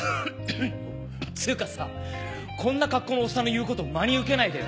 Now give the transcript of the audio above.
つうかさこんな格好のおっさんの言うこと真に受けないでよ。